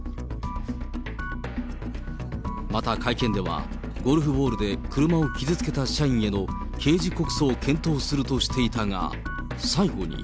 また会見では、ゴルフボールで車を傷つけた社員への刑事告訴を検討するとしていたが、最後に。